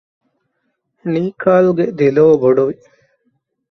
ނިކާލްގެ ދެލޯ ބޮޑުވި